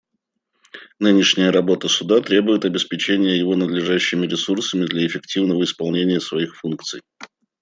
Нынешняя работа Суда требует обеспечения его надлежащими ресурсами для эффективного исполнения своих функций.